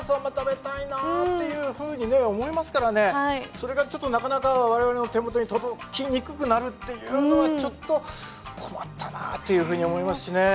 それがちょっとなかなか我々の手元に届きにくくなるっていうのはちょっと困ったなあというふうに思いますしねえ。